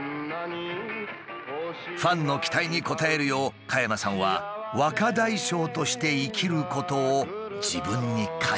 ファンの期待に応えるよう加山さんは若大将として生きることを自分に課しているのだ。